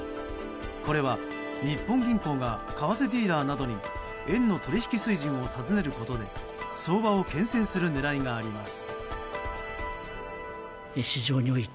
これは日本銀行が為替ディーラーなどに円の取引水準を尋ねることで相場を牽制する狙いがあります。